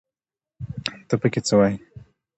ته پکې څه وايې